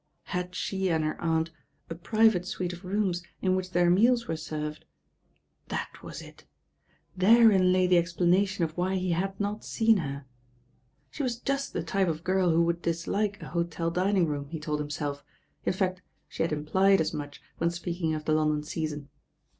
Had she and her aunt a private suite of rooms in which their meals were served? That was it. Therein lay the explana tion of why he had not seen her. She was just the type of girl who would dislike a hotel dining room, he told himself, in fact she had implied as much when speaking of the London Season.